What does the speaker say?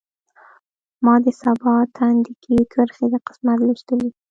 ما د سبا تندی کې کرښې د قسمت لوستلي